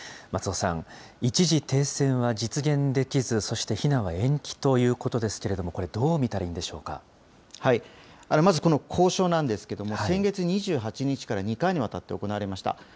松尾さん、一時停戦は実現できず、そして避難は延期ということですけれども、これ、どう見たらいいまずこの交渉なんですけれども、先月２８日から２回にわたって行われました。